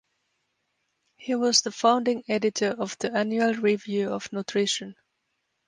He was the founding editor of the "Annual Review of Nutrition".